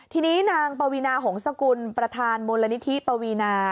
ทีนี้นางปวีนาหงษกุลประธานมูลนิธิปวีนา